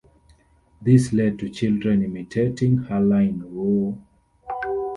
This led to children imitating her line Oh!